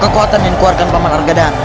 kekuatan yang dikeluarkan pak man argadana